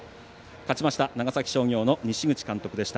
勝ちました長崎商業の西口監督でした。